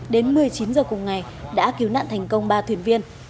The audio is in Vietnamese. đến một mươi chín h cùng ngày đã cứu nạn thành công ba thuyền viên